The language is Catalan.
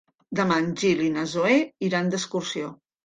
Demà en Gil i na Zoè iran d'excursió.